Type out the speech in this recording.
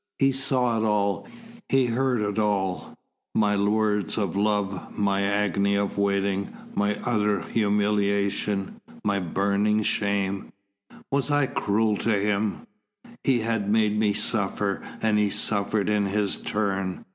He saw it all, he heard it all, my words of love, my agony of waiting, my utter humiliation, my burning shame. Was I cruel to him? He had made me suffer, and he suffered in his turn.